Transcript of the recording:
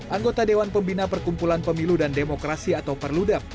anggota dewan pembina perkumpulan pemilu dan demokrasi atau perludem